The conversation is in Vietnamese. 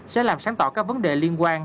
sẽ làm sáng tỏ các vấn đề liên quan